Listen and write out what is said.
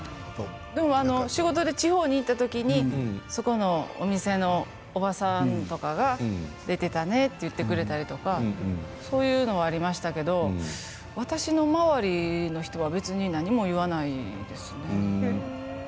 仕事で地方に行ったときにそこのお店のおばさんとかが出ていたねと言ってくれたりとかそういうのはありましたけど私の周りの人は何も言わないですね。